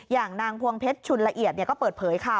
อย่างนางพวงเพชรชุนละเอียดก็เปิดเผยค่ะ